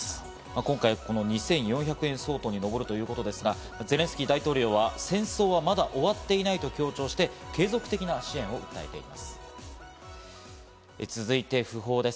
今回２４００億円相当に上るということですがゼレンスキー大統領は戦争はまだ終わっていないと強調して、継続的な支援を訴えています。